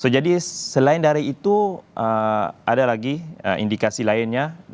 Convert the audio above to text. jadi selain dari itu ada lagi indikasi lainnya